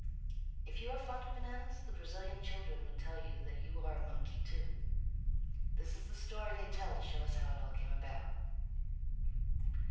If you are fond of bananas the Brazilian children would tell you that you are a monkey, too. This is the story they tell to show us how it all came about.